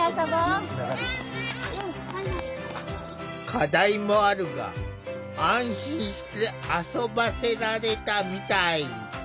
課題もあるが安心して遊ばせられたみたい。